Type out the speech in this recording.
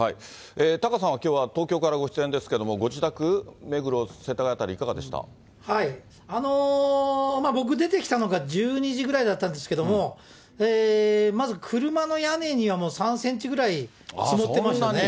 タカさんはきょうは東京からご出演ですが、ご自宅、目黒、世僕出てきたのが１２時ぐらいだったんですけれども、まず車の屋根にはもう３センチぐらい積もってましたね。